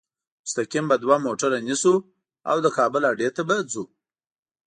مستقیم به دوه موټره نیسو او د کابل اډې ته به ځو.